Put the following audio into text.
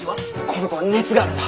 この子は熱があるんだ。